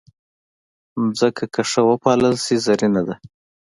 مځکه که ښه وپالل شي، زرینه ده.